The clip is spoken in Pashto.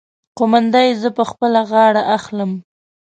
قومانده يې زه په خپله غاړه اخلم.